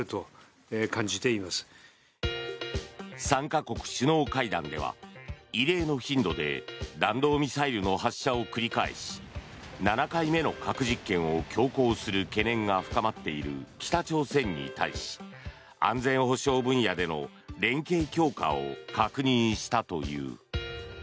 ３か国首脳会談では異例の頻度で弾道ミサイルの発射を繰り返し７回目の核実験を強行する懸念が深まっている北朝鮮に対し安全保障分野での連携強化を確認したという。